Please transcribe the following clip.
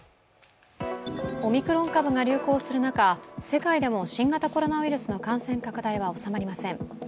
オミクロン株が流行する中、世界でも新型コロナウイルスの感染拡大は収まりません。